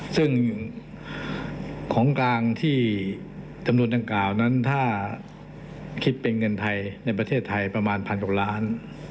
ซึ่งของกลางที่จำนวนดังกล่าวนั้นถ้าคิดเป็นเงินไทยในประเทศไทยประมาณพันกว่าล้าน